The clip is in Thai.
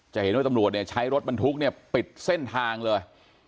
จะเห็นว่าตำรวจใช้รถมันทุกปิดเส้นทางเลย